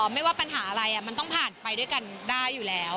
ไม่ว่าปัญหาอะไรมันต้องผ่านไปด้วยกันได้อยู่แล้ว